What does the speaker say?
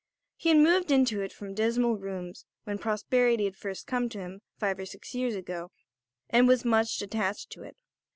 He had moved into it from dismal rooms when prosperity had first come to him, five or six years ago, and was much attached to it.